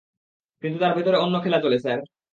কিন্তু তার ভিতরে অন্য খেলা চলে, স্যার।